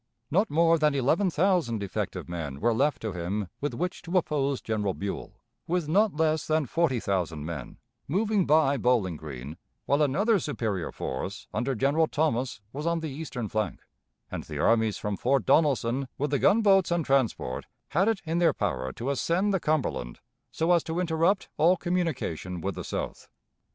Not more than eleven thousand effective men were left to him with which to oppose General Buell with not less than forty thousand men, moving by Bowling Green, while another superior force, under General Thomas, was on the eastern flank; and the armies from Fort Donelson, with the gunboats and transport, had it in their power to ascend the Cumberland, so as to interrupt all communication with the south.